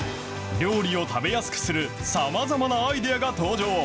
料理を食べやすくするさまざまなアイデアが登場。